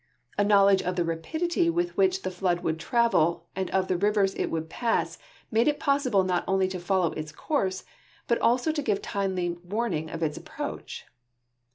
A knowledge of the rapidiU' with which the flood would travel and of the rivers it would pass made it possible not only to follow its course, but also to give timely warning of its approach.